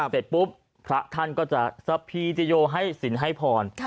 เสร็จปุ๊บพระท่านก็จะสะพีจโยให้ศิลป์ให้พร